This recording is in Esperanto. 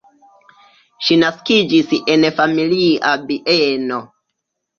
Ŝi naskiĝis en familia bieno.